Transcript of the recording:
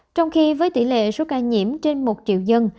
trong khi với tỷ lệ số ca nhiễm trên một triệu dân